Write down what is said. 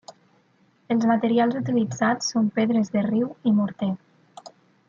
Els materials utilitzats són pedres de riu i morter.